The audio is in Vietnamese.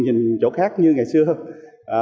nhìn chỗ khác như ngày xưa